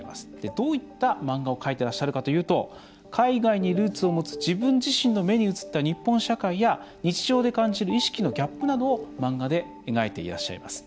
どういった漫画を描いてらっしゃるかというと海外にルーツを持つ自分自身の目に映った日本社会や日常で感じる意識のギャップなどを漫画で描いていらっしゃいます。